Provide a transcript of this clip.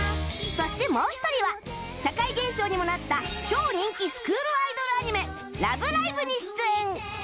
そしてもう一人は社会現象にもなった超人気スクールアイドルアニメ『ラブライブ！』に出演